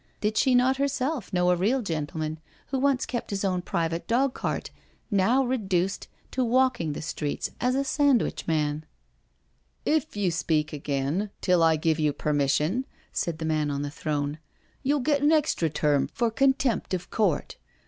Did she not herself know a real gentleman who once kept his own private dog cart, now reduced to walking the streets as a sandwich man I 94 NO SURRENDER If you speak again, till I give you permission/* said the Man on the throne, " youll get an extra term for contempt of court.